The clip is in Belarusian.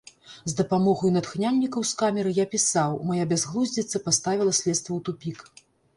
З дапамогаю натхняльнікаў з камеры я пісаў, мая бязглуздзіца паставіла следства ў тупік.